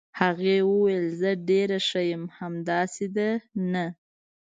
هغې وویل: زه ډېره ښه یم، همداسې ده، نه؟